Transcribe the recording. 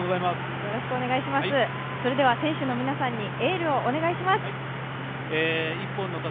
選手の皆さんにエールをお願いします。